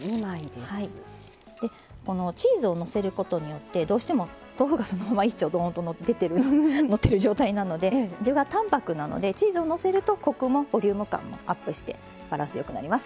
このチーズをのせることによってどうしても豆腐がそのまま１丁ドーンとのってる状態なので味が淡泊なのでチーズをのせるとコクもボリューム感もアップしてバランスよくなります。